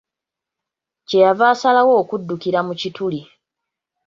Kye yava asalawo okuddukira mu kituli.